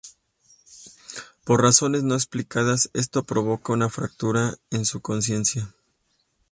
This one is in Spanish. Por razones no explicadas, esto provoca una fractura en su consciencia.